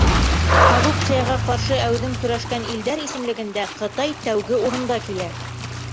Коррупцияға ҡаршы әүҙем көрәшкән илдәр исемлегендә Ҡытай тәүге урында килә.